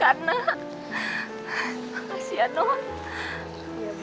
makasih ya tuhan